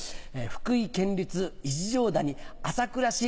福井県立一乗谷朝倉氏